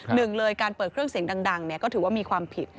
หนึ่งเลยการเปิดเครื่องเสียงดังก็ถือว่ามีความผิด